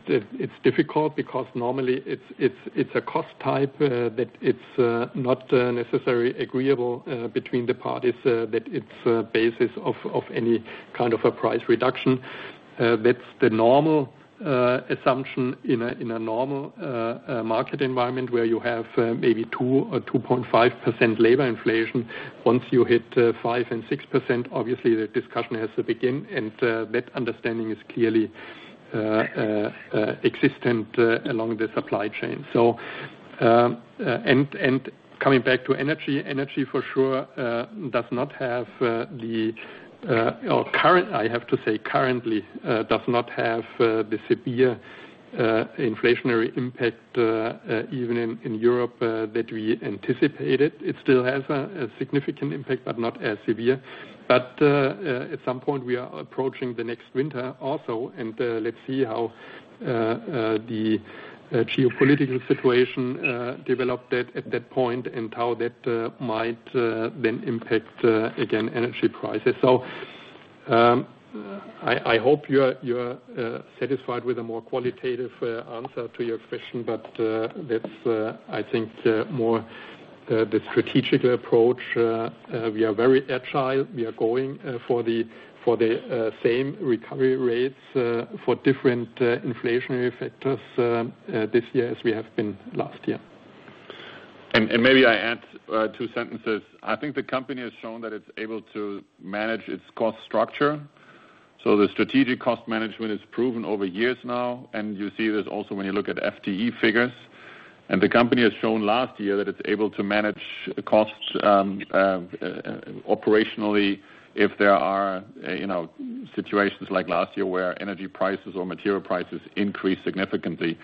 It's difficult because normally it's a cost type that it's not necessarily agreeable between the parties that it's a basis of any kind of a price reduction. That's the normal assumption in a normal market environment where you have maybe 2% or 2.5% labor inflation. Once you hit, 5% and 6%, obviously the discussion has to begin and that understanding is clearly existent along the supply chain. Coming back to energy for sure does not have the, I have to say currently, does not have the severe inflationary impact even in Europe that we anticipated. It still has a significant impact, but not as severe. At some point, we are approaching the next winter also, and let's see how the geopolitical situation developed at that point and how that might then impact again, energy prices. I hope you're satisfied with a more qualitative answer to your question, but that's, I think, more the strategic approach. We are very agile. We are going for the same recovery rates for different inflationary factors this year as we have been last year. Maybe I add two sentences. I think the company has shown that it's able to manage its cost structure. The strategic cost management is proven over years now, and you see this also when you look at FTE figures. The company has shown last year that it's able to manage costs operationally, if there are, you know, situations like last year where energy prices or material prices increased significantly.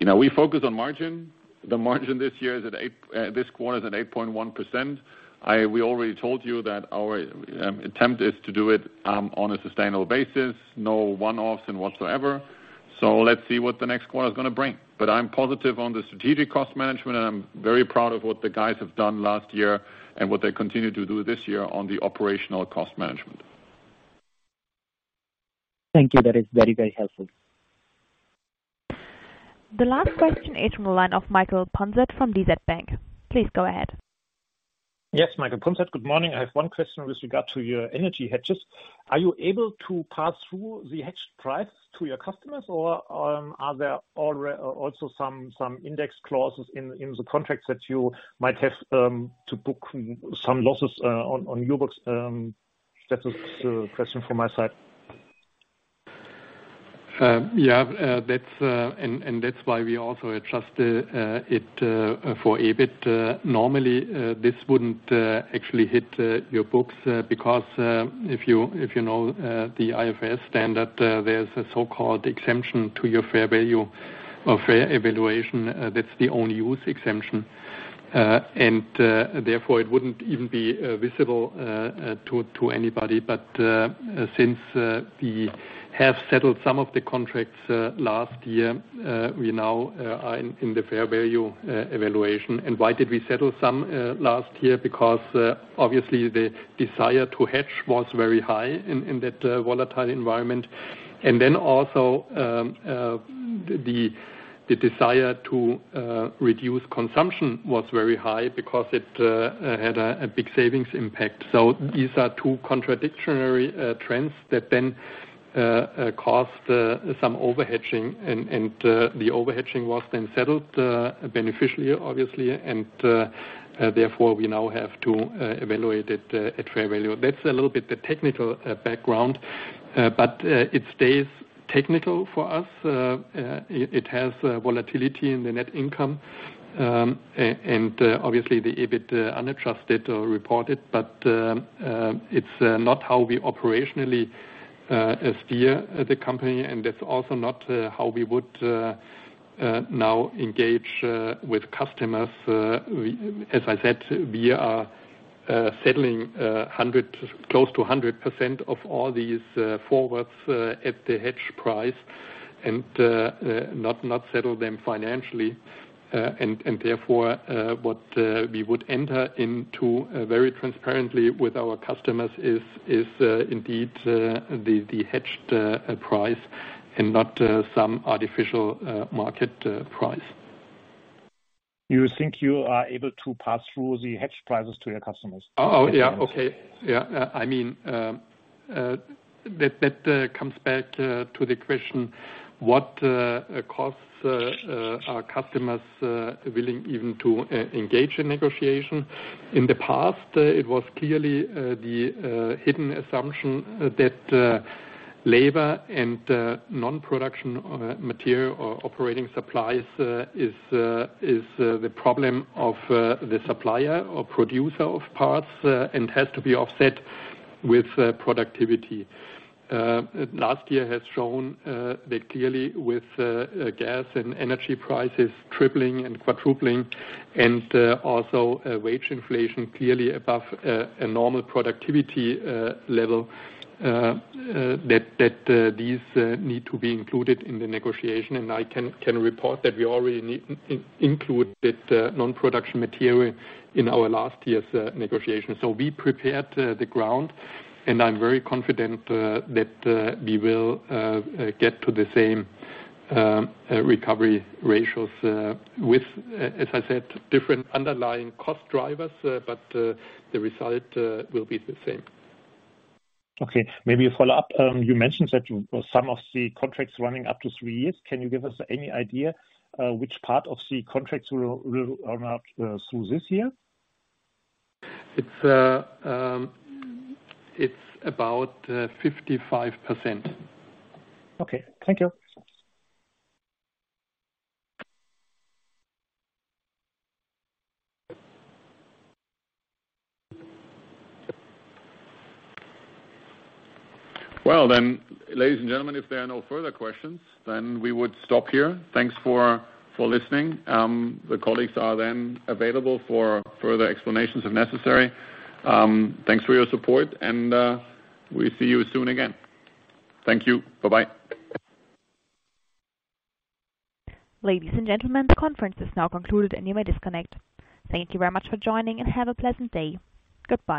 You know, we focus on margin. The margin this year is at this quarter is at 8.1%. We already told you that our attempt is to do it on a sustainable basis, no one-offs and whatsoever. Let's see what the next quarter is gonna bring. I'm positive on the strategic cost management, and I'm very proud of what the guys have done last year and what they continue to do this year on the operational cost management. Thank you. That is very, very helpful. The last question is from the line of Michael Punzet from DZ Bank. Please go ahead. Michael Punzet. Good morning. I have one question with regard to your energy hedges. Are you able to pass through the hedged price to your customers, or, are there also some index clauses in the contracts that you might have to book some losses on your books? That is the question from my side. Yeah. That's why we also adjust it for EBIT. Normally, this wouldn't actually hit your books because if you know the IFRS standard, there's a so-called exemption to your fair value or fair evaluation, that's the own-use exemption. Therefore, it wouldn't even be visible to anybody. Since we have settled some of the contracts last year, we now are in the fair value evaluation. Why did we settle some last year? Obviously, the desire to hedge was very high in that volatile environment. Then also the desire to reduce consumption was very high because it had a big savings impact. These are two contradictory trends that then caused some overhedging and the overhedging was then settled beneficially, obviously. Therefore, we now have to evaluate it at fair value. That's a little bit the technical background. It stays technical for us. It has volatility in the net income and obviously the EBIT unadjusted or reported. It's not how we operationally steer the company, and that's also not how we would now engage with customers. As I said, we are settling close to 100% of all these forwards at the hedge price and not settle them financially. Therefore, what, we would enter into, very transparently with our customers is indeed the hedged, price and not, some artificial, market, price. You think you are able to pass through the hedge prices to your customers? Oh, yeah. Okay. Yeah. I mean, that comes back to the question, what costs are customers willing even to engage in negotiation? In the past, it was clearly the hidden assumption that labor and non-production material or operating supplies is the problem of the supplier or producer of parts and has to be offset with productivity. Last year has shown that clearly with gas and energy prices tripling and quadrupling and also wage inflation clearly above a normal productivity level that these need to be included in the negotiation. I can report that we already included that non-production material in our last year's negotiation. We prepared the ground, and I'm very confident that we will get to the same recovery ratios, with as I said, different underlying cost drivers, but the result will be the same. Okay. Maybe a follow-up. You mentioned that some of the contracts running up to three years. Can you give us any idea which part of the contracts will run out through this year? It's about 55%. Okay. Thank you. Well then, ladies and gentlemen, if there are no further questions, then we would stop here. Thanks for listening. The colleagues are then available for further explanations if necessary. Thanks for your support, and we'll see you soon again. Thank you. Bye-bye. Ladies and gentlemen, the conference is now concluded. You may disconnect. Thank you very much for joining and have a pleasant day. Goodbye.